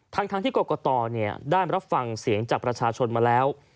ทั้งที่กรกตได้รับฟังเสียงจากประชาชนมาแล้ว